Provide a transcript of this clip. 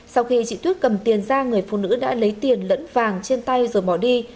sau khi chị tuyết cầm tiền ra người phụ nữ đã lấy tiền lẫn vàng trên tay rồi bỏ đi